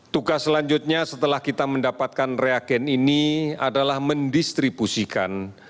tugas selanjutnya setelah kita mendapatkan reagen ini adalah mendistribusikan